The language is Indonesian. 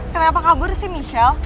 kenapa kabur sih michelle